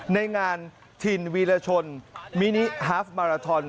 ในงานถิ่นวีรชนมินิฮาฟมาราทอน